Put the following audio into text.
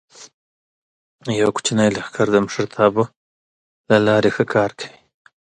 یو کوچنی لښکر د مشرتابه له لارې ښه کار کوي.